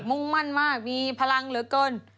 มุ่งมั่นมากมีพลังเหลือเกิน